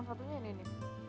ini salah satunya ini